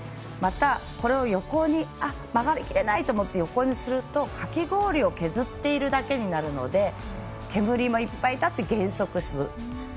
また、曲がりきれないと思って横にするとかき氷を削っているだけになるので煙もいっぱい立って減速する。